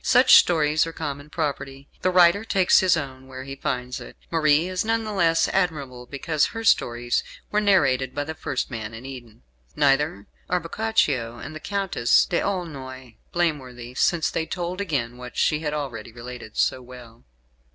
Such stories are common property. The writer takes his own where he finds it. Marie is none the less admirable because her stories were narrated by the first man in Eden; neither are Boccaccio and the Countess D'Aulnoy blameworthy since they told again what she already had related so well.